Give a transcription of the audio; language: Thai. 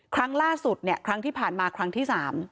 ครั้งล่าสุดเนี่ยครั้งที่ผ่านมาครั้งที่๓